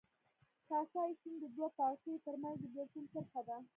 کاسای سیند د دوو پاړکیو ترمنځ د بېلتون کرښه ده.